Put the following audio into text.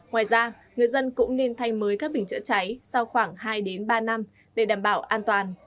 ngoài ra người dân cũng nên thay mới các bình chữa cháy sau khoảng hai ba năm để đảm bảo an toàn